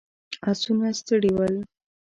آسونه ستړي ول.